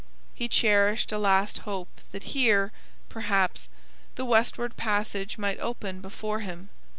He cherished a last hope that here, perhaps, the westward passage might open before him.